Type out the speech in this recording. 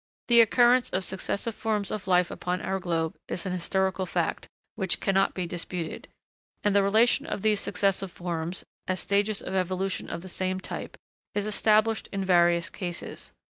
The occurrence of successive forms of life upon our globe is an historical fact, which cannot be disputed; and the relation of these successive forms, as stages of evolution of the same type, is established in various cases.